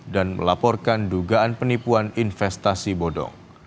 dan melaporkan dugaan penipuan investasi bodong